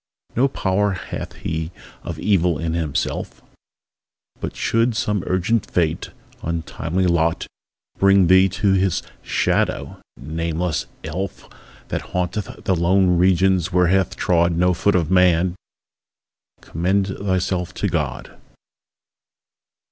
No power hath he of evil in himself; But should some urgent fate (untimely lot!) Bring thee to meet his shadow (nameless elf, That haunteth the lone regions where hath trod No foot of man,) commend thyself to God!